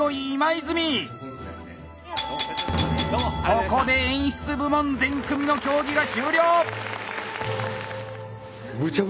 ここで演出部門全組の競技が終了。